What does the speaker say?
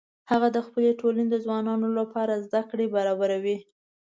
هغه د خپلې ټولنې د ځوانانو لپاره زده کړې برابروي